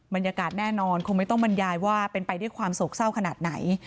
บรรยากาศแน่นอนคงไม่ต้องบรรยายว่าเป็นไปด้วยความโศกเศร้าขนาดไหน